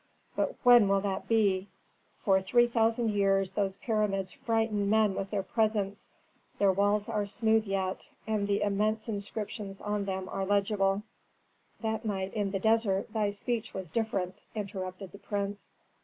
But when will that be? For three thousand years those pyramids frighten men with their presence; their walls are smooth yet, and the immense inscriptions on them are legible." "That night in the desert thy speech was different," interrupted the prince.